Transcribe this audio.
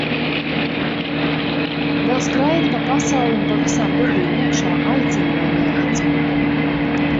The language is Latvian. Vēl skraidi pa pasauli un pa visām durvīm iekšā, aicina vai neaicina.